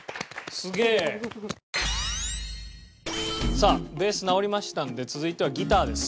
さあベース直りましたので続いてはギターです。